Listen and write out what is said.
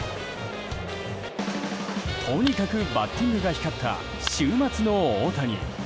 とにかくバッティングが光った週末の大谷。